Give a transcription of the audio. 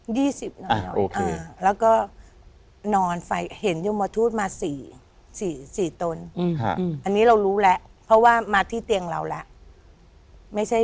๒๐นานแล้วแล้วก็นอนไฟเห็นยมทูตมา๔ตนอันนี้เรารู้แล้วเพราะว่ามาที่เตียงเราแล้ว